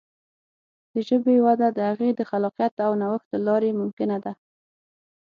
د ژبې وده د هغې د خلاقیت او نوښت له لارې ممکنه ده.